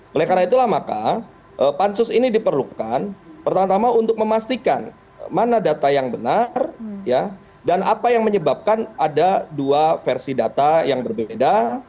oleh karena itulah maka pansus ini diperlukan pertama tama untuk memastikan mana data yang benar dan apa yang menyebabkan ada dua versi data yang berbeda